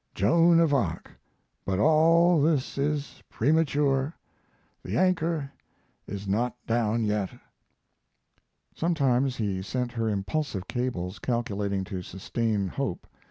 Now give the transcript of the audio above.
'Joan of Arc' but all this is premature; the anchor is not down yet. Sometimes he sent her impulsive cables calculating to sustain hope.